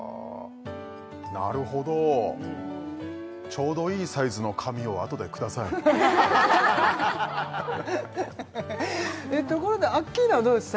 なるほどちょうどいいサイズの紙をあとでくださいところでアッキーナはどうです？